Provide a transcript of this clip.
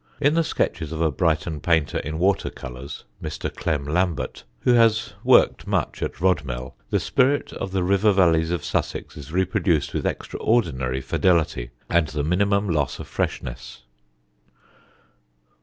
In the sketches of a Brighton painter in water colours, Mr. Clem Lambert, who has worked much at Rodmell, the spirit of the river valleys of Sussex is reproduced with extraordinary fidelity and the minimum loss of freshness.